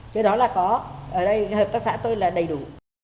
cái đó là có ở đây hợp tác xã tôi là đầy đủ